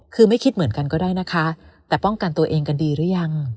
คือไม่คิดเหมือนกันก็ได้นะคะแต่ป้องกันตัวเองกันดีหรือยัง